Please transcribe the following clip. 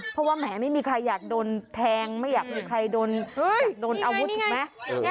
เพราะว่าแหมไม่มีใครอยากโดนแทงไม่อยากมีใครโดนอาวุธถูกไหม